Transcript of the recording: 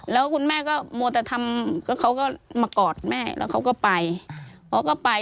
แล้วคุณแม่ก็มัวแต่ทำเขาก็มากอดแม่แล้วเขาก็ไปเขาก็ไป